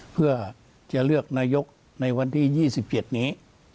เพื่อจะเลือกนายกในวันที่๒๗นี้